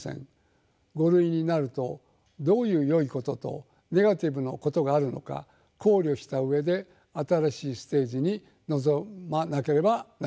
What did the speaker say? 「５類」になるとどういうよいこととネガティブなことがあるのか考慮した上で新しいステージに臨まなければなりません。